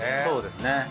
そうですね。